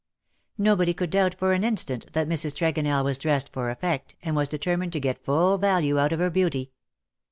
Nobody could doubt for an instant that Mrs. Tregonell was dressed for efi"ect, and was determined to get full value out of her beauty.